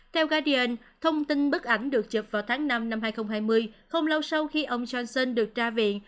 theo gadian thông tin bức ảnh được chụp vào tháng năm năm hai nghìn hai mươi không lâu sau khi ông johnson được ra viện